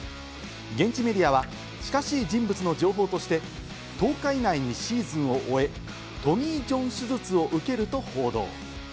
現地メディアは近しい人物の情報として、１０日以内にシーズンを終え、トミー・ジョン手術を受けると報道。